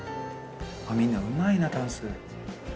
みんなうまいな、ダンス。